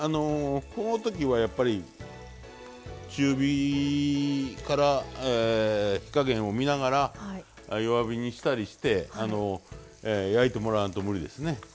こういう時はやっぱり中火から火加減を見ながら弱火にしたりして焼いてもらわんと無理ですね。